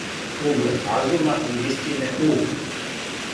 углед разума и истине у